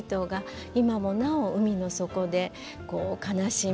今もなお海の底で悲しみ